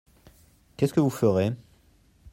Qu’est-ce que vous ferez ?